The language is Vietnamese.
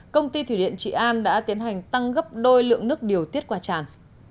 công ty thủy điện trị an đã tiến hành tăng gấp đôi lượng nước điều tiết qua tràn